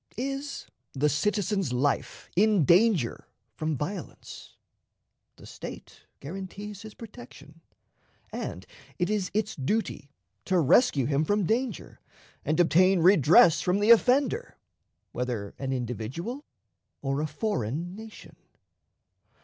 Is the citizen's life in danger from violence? The State guarantees his protection, and it is its duty to rescue him from danger and obtain redress from the offender, whether an individual or a foreign nation.